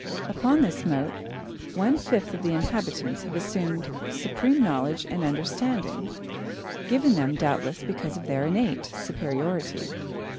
Upon this mote, one fifth of the inhabitants have assumed supreme knowledge and understanding, given them, doubtless, because of their innate superiority.